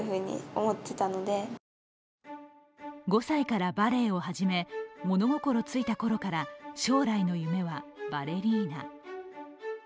５歳からバレエを始め物心ついたころから将来の夢はバレリーナ。